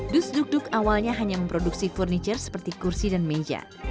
dus dugduk awalnya hanya memproduksi peralatan seperti kursi dan meja